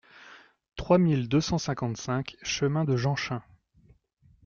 trois mille deux cent cinquante-cinq chemin de Jeanchin